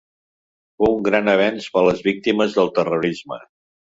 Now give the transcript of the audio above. Fou un gran avenç per a les víctimes del terrorisme.